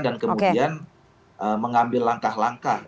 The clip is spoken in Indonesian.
dan kemudian mengambil langkah langkah